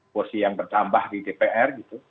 porsi yang bertambah di dpr gitu